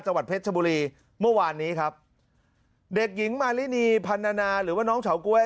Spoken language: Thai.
จังหวัดเพชรชบุรีเมื่อวานนี้ครับเด็กหญิงมารินีพันนานาหรือว่าน้องเฉาก๊วย